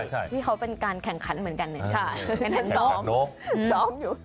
ใช่ที่เขาเป็นการแข่งขันเหมือนกันเนี่ยใช่แข่งขันโซมแข่งขันโซม